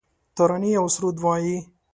ترانې اوسرود وایې